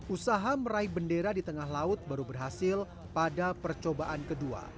usaha meraih bendera di tengah laut baru berhasil pada percobaan kedua